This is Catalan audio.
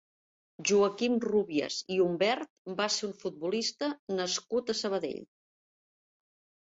Joaquim Rubies i Umbert va ser un futbolista nascut a Sabadell.